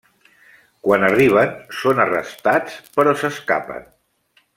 Quan arriben, són arrestats, però s'escapen.